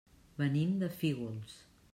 Venim de Fígols.